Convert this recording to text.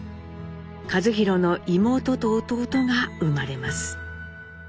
一寛の妹と弟が生まれます。